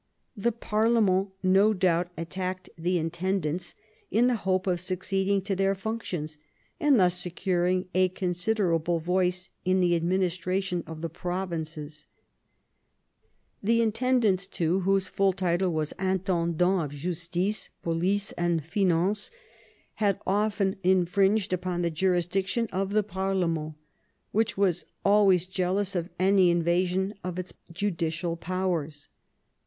The parlement no doubt attacked the intendants in the hope of succeeding to their functions and thus securing a considerable voice in the administration of the provinces. The in tendants, too, whose full title was intendcmts of justice^ IV THE PARLIAMENTARY FRONDE 68 police^ and finance, had often infringed upon the juris diction of the parlement, which was always jealous of any invasion of its judicial powers.